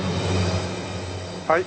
はい。